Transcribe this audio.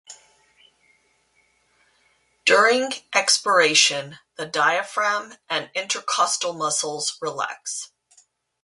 During expiration, the diaphragm and intercostal muscles relax.